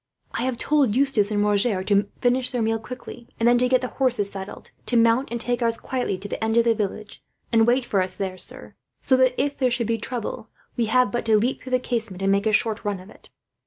"I have told Eustace and Roger to finish their meal quickly, and then to get the horses saddled; to mount, and take ours quietly to the end of the village, and wait for us there, sir; so that if there should be trouble, we have but to leap through the casement, and make a short run of it."